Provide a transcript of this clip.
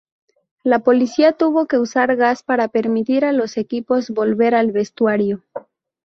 La policía tuvo que usar gas para permitir a los equipos volver al vestuario.